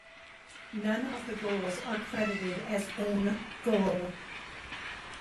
None of the goals are credited as own goal.